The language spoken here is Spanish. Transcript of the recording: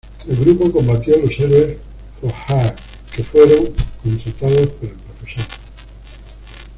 El grupo combatió los Heroes for Hire, que fueron contratados por el Profesor.